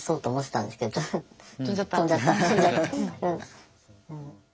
飛んじゃった。